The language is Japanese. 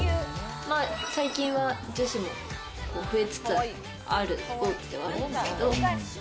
最近は女子も増えつつあるスポーツではあるんですけど。